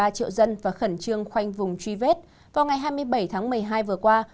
một mươi ba triệu dân và khẩn trương quanh vùng truy vết vào ngày hai mươi bảy tháng một mươi hai vừa qua